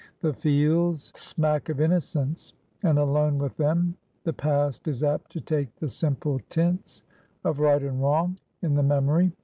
The fields smack of innocence, and alone with them the past is apt to take the simple tints of right and wrong in the memory.